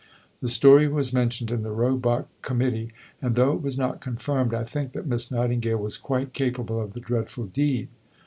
The story was mentioned in the Roebuck Committee; and, though it was not confirmed, I think that Miss Nightingale was quite capable of the dreadful deed.